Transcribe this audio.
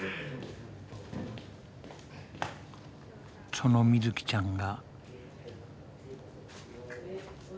そのみずきちゃんが。